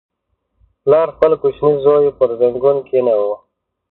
• پلار خپل کوچنی زوی پر زنګون کښېناوه.